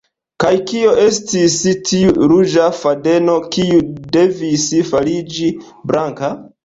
Kaj kio estis tiu “ruĝa fadeno” kiu devis fariĝi blanka?